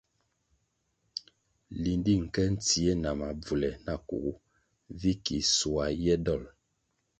Lindi nke ntsie na mabvule nakugu vi ki soa ye dol.